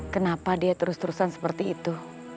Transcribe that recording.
kenapa dia terus terusan seperti itu